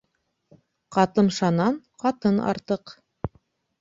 Ҡатымшанан ҡатын артыҡ.